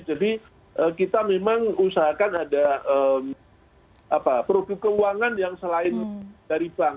jadi kita memang usahakan ada produk keuangan yang selain dari bank